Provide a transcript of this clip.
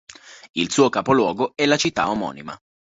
Il suo capoluogo è la città omonima.